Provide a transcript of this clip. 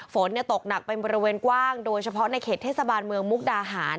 ฝนตกหนักเป็นบริเวณกว้างโดยเฉพาะในเขตเทศบาลเมืองมุกดาหาร